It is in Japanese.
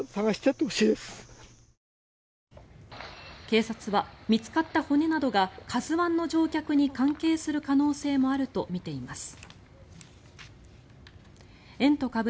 警察は見つかった骨などが「ＫＡＺＵ１」の乗客に関係する可能性もあるとみています。